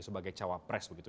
sebagai cawapres begitu